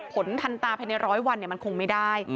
ผลทันตาภายในร้อยวันมันคงไม่ได้